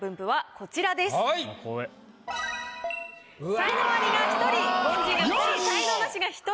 才能アリが１人凡人が２人才能ナシが１人です。